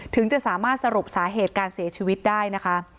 ถึงจะสามารถสรุปสาเหตุการเสียชีวิตได้นะคะ